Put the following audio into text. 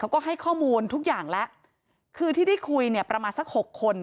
เขาก็ให้ข้อมูลทุกอย่างแล้วคือที่ได้คุยเนี่ยประมาณสักหกคน